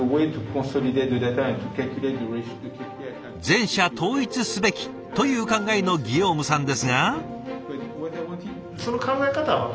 全社統一すべきという考えのギヨームさんですが。